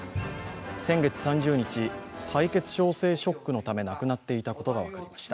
先月３０日、敗血症性ショックのため亡くなっていたことが分かりました。